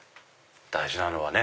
大事なのはね。